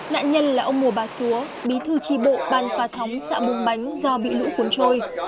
nạn nhân là ông mùa bà xúa bí thư tri bộ ban phà thống xạ bùng bánh do bị lũ cuốn trôi